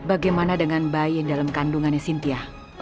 bagaimana dengan bayi yang dalam kandungannya sintia